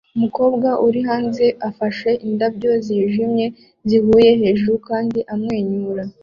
Umukobwa uri hanze afashe indabyo zijimye zihuye hejuru kandi amwenyura